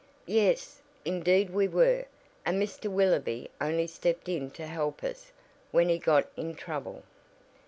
"Yes, indeed we were. And Mr. Willoby only stepped in to help us when he got in trouble."